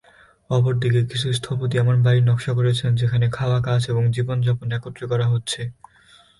অপরদিকে, কিছু স্থপতি এমন বাড়ির নকশা করেছেন যেখানে খাওয়া, কাজ এবং জীবনযাপন একত্রে করা হচ্ছে।